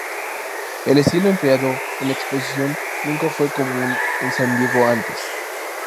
El estilo empleado en la Exposición nunca fue común en San Diego antes.